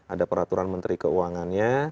ada peraturan menteri keuangannya